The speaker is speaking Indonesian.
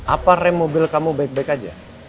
apa rem mobil kamu baik baik aja